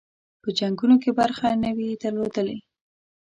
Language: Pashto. په جنګونو کې برخه نه وي درلودلې.